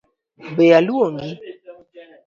Be aluongi?